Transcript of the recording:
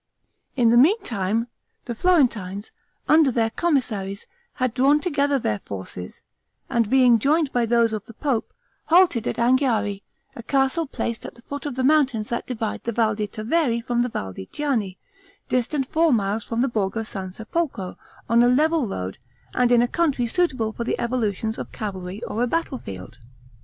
In the meantime, the Florentines, under their commissaries, had drawn together their forces, and being joined by those of the pope, halted at Anghiari, a castle placed at the foot of the mountains that divide the Val di Tavere from the Val di Chiane, distant four miles from the Borgo San Sepolcro, on a level road, and in a country suitable for the evolutions of cavalry or a battlefield.